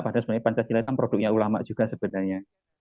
padahal sebenarnya pancasila kan produknya ulama juga sebenarnya